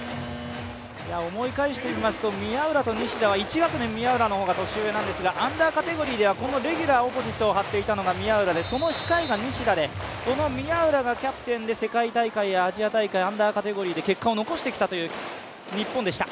思い返してみますと宮浦と西田は１学年、宮浦の方が年上なんですがアンダーカテゴリーではレギュラー、オポジットを張っていたのが宮浦で、その控えが西田でこの宮浦がキャプテンでアンダーカテゴリーで結果を残してきたという日本でした。